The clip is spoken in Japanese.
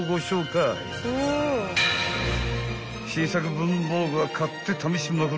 ［新作文房具は買って試しまくり］